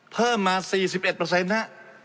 เพิ่มมา๔๑ฮะ